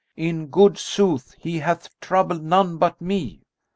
In good sooth he hath troubled none but me."